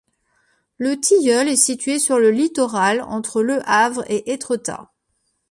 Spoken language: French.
Le Tilleul est située sur le littoral, entre Le Havre et Étretat.